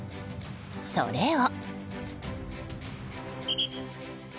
それを。